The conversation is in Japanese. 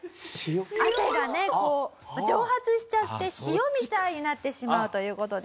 汗がねこう蒸発しちゃって塩みたいになってしまうという事で。